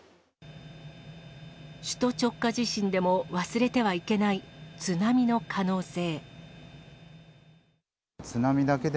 首都直下地震でも忘れてはいけない津波の可能性。